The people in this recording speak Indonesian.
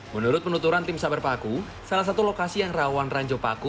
menurut penuturan tim sabar paku salah satu lokasi yang rawan ranjau paku